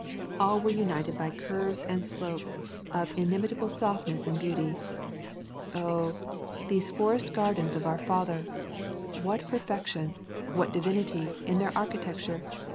All were united by curves and slopes of inimitable [ 38 ] The Cumberland Mountains softness and beauty. Oh, these forest gardens of our Father! What perfection, what divin ity, in their architecture!